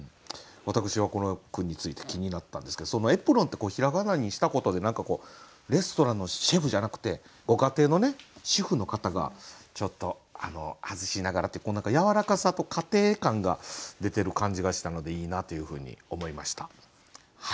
私はこの句について気になったんですけど「えぷろん」って平仮名にしたことで何かこうレストランのシェフじゃなくてご家庭の主婦の方がちょっと外しながらっていう何かやわらかさと家庭感が出てる感じがしたのでいいなというふうに思いました。